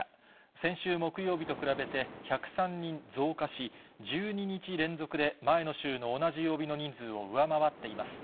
先週木曜日と比べて、１０３人増加し、１２日連続で前の週の同じ曜日の人数を上回っています。